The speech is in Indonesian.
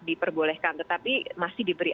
diperbolehkan tetapi masih diberi